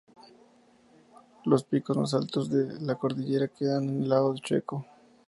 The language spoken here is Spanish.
Los picos más altos de la cordillera quedan en el lado checo.